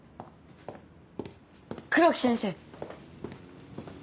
黒木先生。